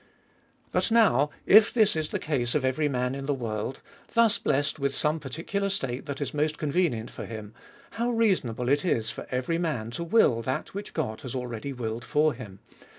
But now, if this is the case of every man in the world, thus blessed with some particular state that is most convenient for him, how reasonable is it for every man to will that which God lias already willed for him